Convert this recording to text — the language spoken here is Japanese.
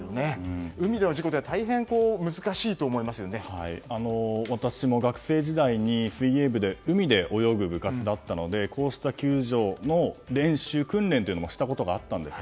海での事故では私も学生時代に水泳部で海で泳ぐ部活だったのでこうした救助の練習、訓練もしたことがあったんです。